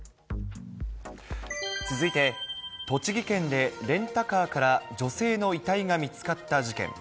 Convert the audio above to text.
続いて、栃木県でレンタカーから女性の遺体が見つかった事件。